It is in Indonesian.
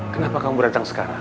kenapa kamu berantem sekarang